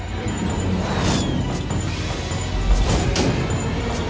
จัดเต็มให้เลย